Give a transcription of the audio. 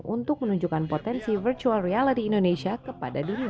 untuk menunjukkan potensi virtual reality indonesia kepada dunia